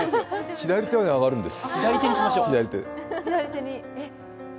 左手は挙がるんです。